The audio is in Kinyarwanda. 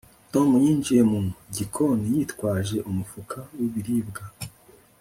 Tom yinjiye mu gikoni yitwaje umufuka w ibiribwa